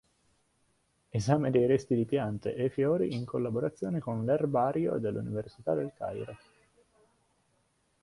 Esame dei resti di piante e fiori in collaborazione con l’Erbario dell’Università del Cairo.